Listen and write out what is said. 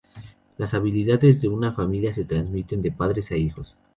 Las habilidades de una familia se transmiten de padres a hijos.